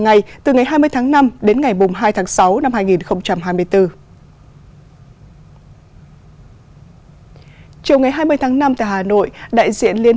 ngày từ ngày hai mươi tháng năm đến ngày hai tháng sáu năm hai nghìn hai mươi bốn chiều ngày hai mươi tháng năm tại hà nội đại diện liên